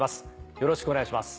よろしくお願いします。